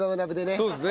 そうですね。